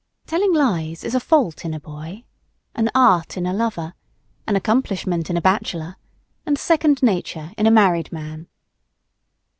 Telling lies is a fault in a boy, an art in a lover, an accomplishment in a bachelor, and second nature in a married man.